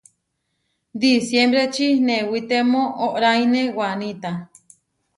Disiembreči newitemó óʼraine wanita.